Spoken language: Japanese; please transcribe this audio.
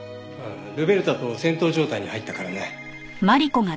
ルベルタと戦闘状態に入ったからね。